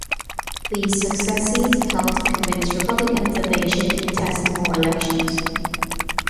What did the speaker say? These successes helped convince republicans that they should contest more elections.